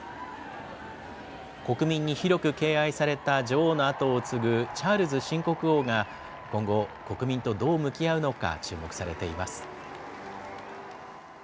国民に広く敬愛された女王のあとを継ぐ、チャールズ新国王が今後、国民とどう向き合うのか、注目されています。